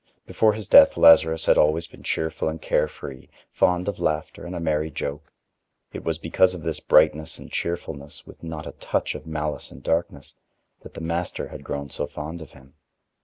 Before his death Lazarus had always been cheerful and carefree, fond of laughter and a merry joke. It was because of this brightness and cheerfulness, with not a touch of malice and darkness, that the Master had grown so fond of him.